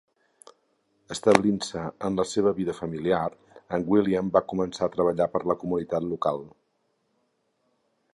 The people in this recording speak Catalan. Establint-se en la seva vida familiar, en William va començar a treballar per la comunitat local.